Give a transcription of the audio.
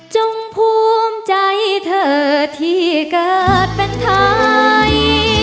จงภูมิใจเธอที่เกิดเป็นไทย